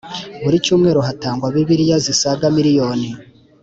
Buri cyumweru hatangwa Bibiliya zisaga miriyoni